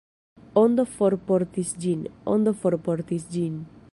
Ondo forportis ĝin, Ondo forportis ĝin.